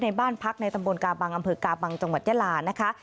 บ้านพักในตำบลกาบังอำเภอกาบังจังหวัดยาลานะคะ